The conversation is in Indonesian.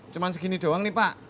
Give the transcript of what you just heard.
cuma segini doang nih pak